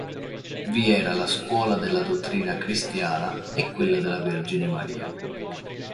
Vi era la scuola della dottrina cristiana e quella della Vergine Maria.